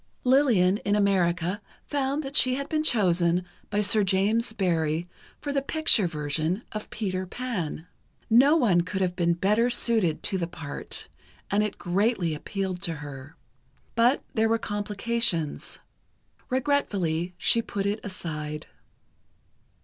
Lillian in America found that she had been chosen by Sir James Barrie for the picture version of "Peter Pan." No one could have been better suited to the part, and it greatly appealed to her. But there were complications. Regretfully she put it aside.